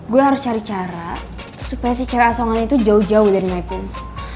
gue harus cari cara supaya si cewek asongan itu jauh jauh dari my prince